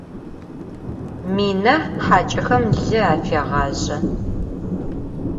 Mina haç'exem lı afêğazje.